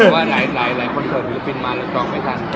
ว่าหลายคนเคิ้ลฮีลักษณ์มาแล้วจองไม่ทัน